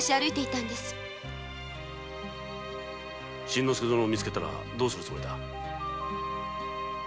真之介殿を見つけたらどうするつもりだ。